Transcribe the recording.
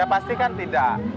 ya pasti kan tidak